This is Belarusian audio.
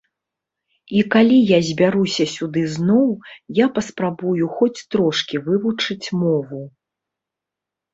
І калі я збяруся сюды зноў, я паспрабую хоць трошкі вывучыць мову.